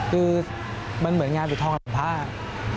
คือมันเหมือนงานผิดทองยังภาค